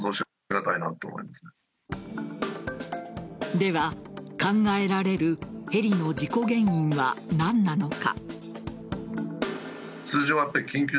では、考えられるヘリの事故原因は何なのか。